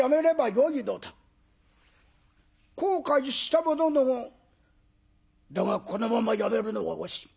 後悔したものの「だがこのままやめるのは惜しい。